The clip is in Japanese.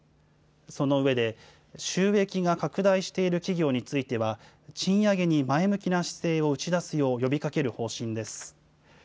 その上で、収益が拡大している企業については、賃上げに前向きな姿勢を打ち出すよう呼びかける方針です。